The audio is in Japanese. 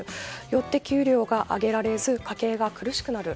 よって給料が上げられず家計が苦しくなる